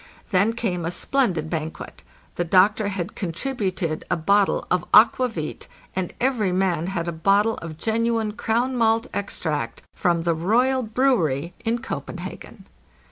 Then came a splendid banquet; the doctor had contributed a bottle of aqua vite, and every man had a bottle of genuine Crown Malt Extract, from the " Royal Brewery " in Copenhagen.